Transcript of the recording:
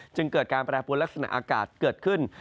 จึงเกิดการแปรปวนลักษณะอากาศเกิดขึ้น